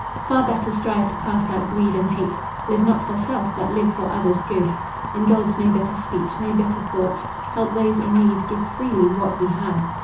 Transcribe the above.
Far better strive to cast out greed and hate. Live not for self, but live for others' good. Indulge no bitter speech, no bitter thoughts. Help those in need; give freely what we have.